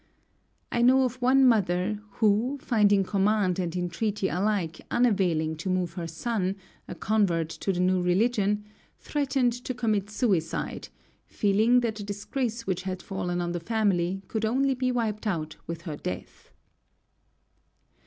I know of one mother who, finding command and entreaty alike unavailing to move her son, a convert to the new religion, threatened to commit suicide, feeling that the disgrace which had fallen on the family could only be wiped out with her death.